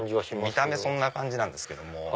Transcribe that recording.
見た目そんな感じなんですけども